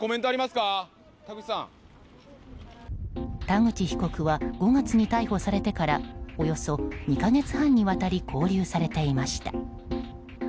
田口被告は５月に逮捕されてからおよそ２か月半にわたり勾留されていました。